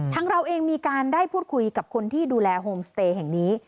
เราเองมีการได้พูดคุยกับคนที่ดูแลโฮมสเตย์แห่งนี้